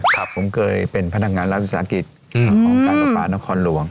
ผมเคยเป็นพนักงานรัฐศิษยาลักษณะกิจของการประปาทนครหลวง